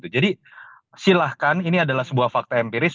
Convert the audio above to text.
jadi silahkan ini adalah sebuah fakta empiris